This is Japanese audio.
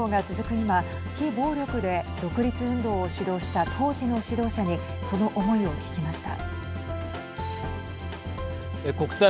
今非暴力で独立運動を主導した当時の指導者にその思いを聞きました。